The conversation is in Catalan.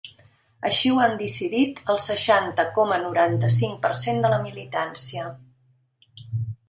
Així ho han decidit el seixanta coma noranta-cinc per cent de la militància.